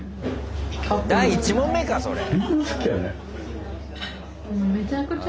第１問目かそれ。